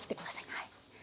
はい。